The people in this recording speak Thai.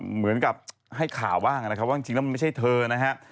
เหมือนกับให้ข่าวบ้างนะครับว่าจริงแล้วมันไม่ใช่เธอนะฮะ